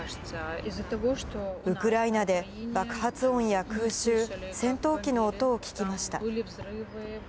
ウクライナで爆発音や空襲、戦闘機の音を聞きました。